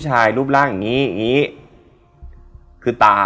อเจมส์ครับบ๊วยบ๊วยบ๊วยบ๊วยบ๊วยบ๊วยบ๊วยพูดก่อนหมดเลยหรอ